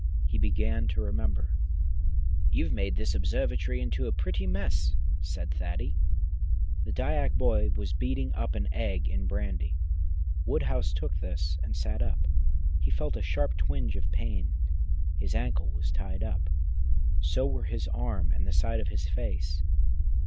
He began to remember. "You've made this observatory in a pretty mess," said Thaddy. The Dyak boy was beating up an egg in brandy. Woodhouse took this and sat up. He felt a sharp twinge of pain. His ankle was tied up, so were his arm and the side of his face.